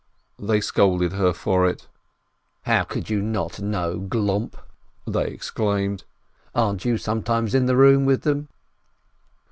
They scolded her for it. "How can you not know, glomp?" they exclaimed. "Aren't you sometimes in the room with them